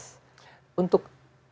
masih sangat baik